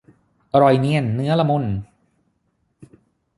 อร่อยเนียนเนื้อละมุน